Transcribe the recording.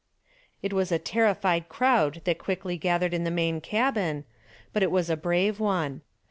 It was a terrified crowd that quickly gathered in the main cabin, but it was a brave one.